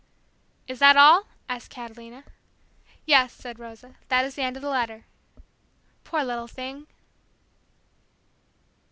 "Is that all?" asked Catalina. "Yes," said Rosa; "that is the end of the letter." "Poor little thing!"